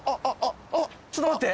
ちょっと待って。